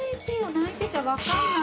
泣いてちゃ分かんない。